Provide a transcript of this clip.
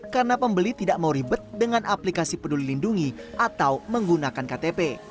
karena pembeli tidak mau ribet dengan aplikasi peduli lindungi atau menggunakan ktp